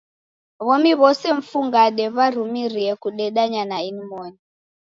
W'omi w'ose mfungade w'arumirie kudedanya na ini moni.